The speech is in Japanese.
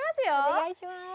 お願いします。